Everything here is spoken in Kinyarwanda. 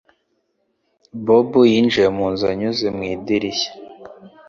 Bob yinjiye mu nzu anyuze mu idirishya.